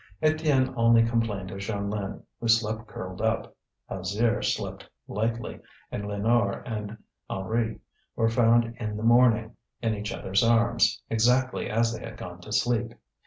Étienne only complained of Jeanlin, who slept curled up. Alzire slept lightly, and Lénore and Henri were found in the morning, in each other's arms, exactly as they had gone to sleep.